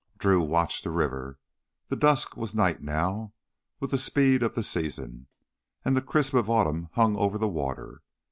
Drew watched the river. The dusk was night now with the speed of the season. And the crisp of autumn hung over the water.